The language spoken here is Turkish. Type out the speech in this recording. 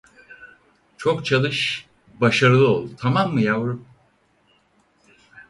Çok çalış, başarılı ol, tamam mı yavrum?